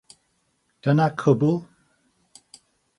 Dyna'r Cwbl?